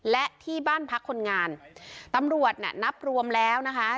และที่บ้านพักคนงานตำรวจน่ะนับรวมแล้วนะคะ